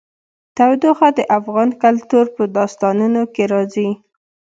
تودوخه د افغان کلتور په داستانونو کې راځي.